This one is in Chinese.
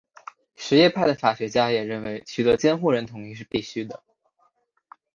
什叶派的法学家也认为取得监护人同意是必须的。